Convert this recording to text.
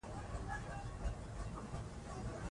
لیکوال دا وفاداري ثابته کړې ده.